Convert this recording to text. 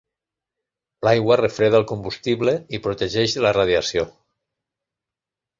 L'aigua refreda el combustible i protegeix de la radiació.